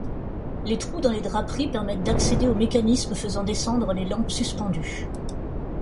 Les trous dans les draperies permettent d'accéder au mécanisme faisant descendre les lampes suspendues.